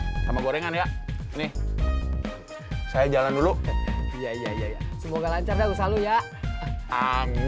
kasian wajah pur